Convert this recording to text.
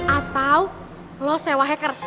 atau lo sewa hacker